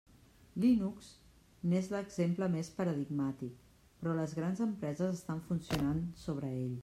Linux n'és l'exemple més paradigmàtic, però les grans empreses estan funcionant sobre ell.